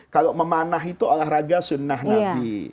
kalau memanah itu olahraga sunnah nabi